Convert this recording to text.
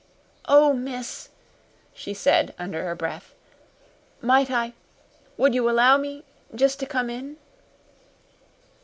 "Oh, miss," she said under her breath. "Might I would you allow me jest to come in?"